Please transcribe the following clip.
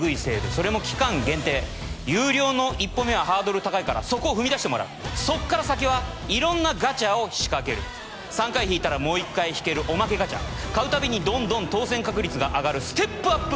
それも期間限定有料の一歩目はハードル高いからそこを踏み出してもらうそっから先は色んなガチャを仕掛ける３回引いたらもう１回引けるおまけガチャ買うたびにどんどん当選確率が上がるステップアップ